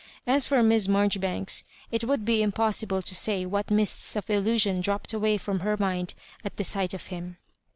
As for Miss Marjoribanks, it would be impossible to say what mists of illu sion dropped away from her mind at the sight of him.